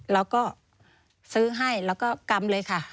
เราก็ซื้อให้แล้วก็กำเลยค่ะ